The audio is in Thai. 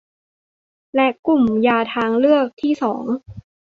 และกลุ่มยาทางเลือกที่สอง